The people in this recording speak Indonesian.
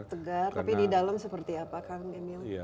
tegar tapi di dalam seperti apa kang emil